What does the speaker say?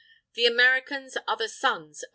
The Americans are the sons ...